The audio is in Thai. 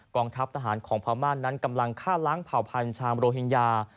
องทัพทหารของพม่านั้นกำลังฆ่าล้างเผ่าพันธ์ชามโรฮิงญา